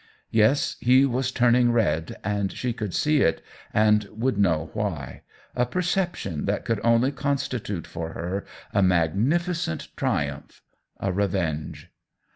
Yes, he was turning red, and she could see it and would know why ; a perception that could only constitute for her a magnificent triumph — a revenge.